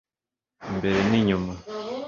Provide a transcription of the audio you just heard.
imbere n’inyuma